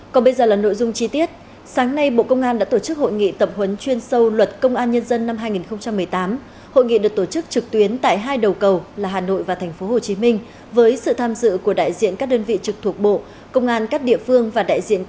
các bạn hãy đăng ký kênh để ủng hộ kênh của chúng mình nhé